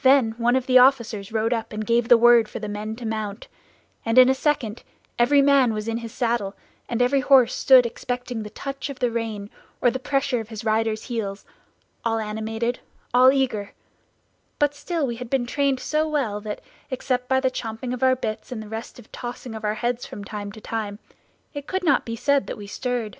"Then one of the officers rode up and gave the word for the men to mount, and in a second every man was in his saddle, and every horse stood expecting the touch of the rein, or the pressure of his rider's heels, all animated, all eager; but still we had been trained so well that, except by the champing of our bits, and the restive tossing of our heads from time to time, it could not be said that we stirred.